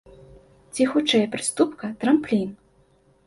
Ці хутчэй прыступка, трамплін?